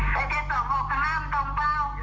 ๗๒๖ขนาดมันตรงเปล่า